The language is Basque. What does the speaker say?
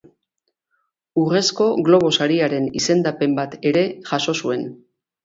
Urrezko Globo Sariaren izendapen bat ere jaso zuen.